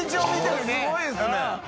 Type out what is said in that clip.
これすごいですね。